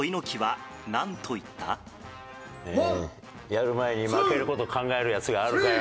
やる前に負ける事考えるヤツがあるかよ。